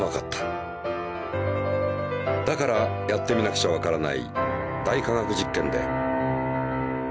だからやってみなくちゃわからない「大科学実験」で。